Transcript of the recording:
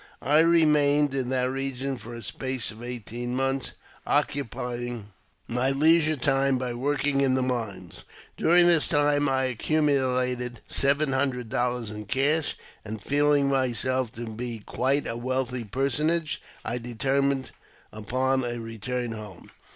I remained in that region for a space of eighteen months, occupying my leisure time by working in the mines. During this time I accumulated seven hundred dollars in cash, and, feeling myself to be quite a wealthy personage, I determined upon a return home.